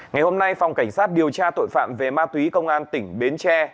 ngày hôm nay phòng cảnh sát điều tra tội phạm về ma túy công an tỉnh bến tre